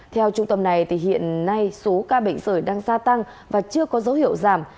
theo trung tâm này hiện nay số ca mắc sởi đang gia tăng và chưa có dấu hiệu giảm